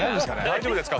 大丈夫ですか？